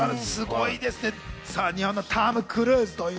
日本のトム・クルーズ！